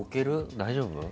大丈夫？